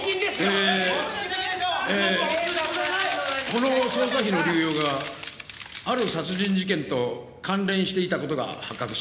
この捜査費の流用がある殺人事件と関連していた事が発覚しました。